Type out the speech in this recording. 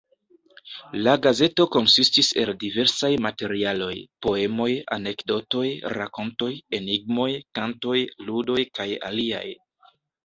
La gazeto konsistis el diversaj materialoj: poemoj, anekdotoj, rakontoj, enigmoj, kantoj, ludoj kaj aliaj.